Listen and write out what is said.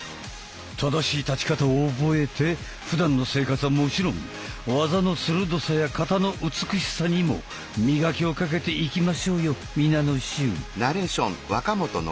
正しい立ち方を覚えてふだんの生活はもちろん技の鋭さや形の美しさにも磨きをかけていきましょうよ皆の衆！